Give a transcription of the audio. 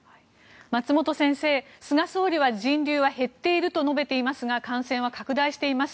松本先生菅総理は人流は減っていると述べていますが感染は拡大しています。